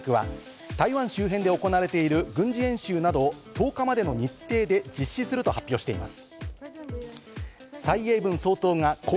中国軍で台湾海峡を管轄する東部戦区は台湾周辺で行われている軍事演習などを１０日までの日程で実施すると発表しています。